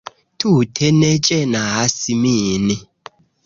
Tute ne ĝenas min